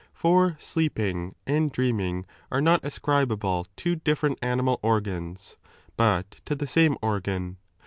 For sleeping and dreaming are not ascribable to different animal organs, but to the same II organ.